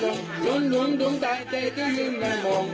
รวมรวมรวมแต่เจ้าก็ยืมไม่มอง